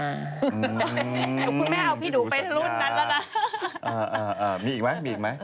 เดี๋ยวคุณแม่เอาพี่หนูไปรุ่นนั้นแล้วนะมีอีกไหมมีอีกไหม